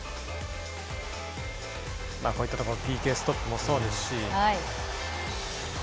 こういったところＰＫストップもそうですし。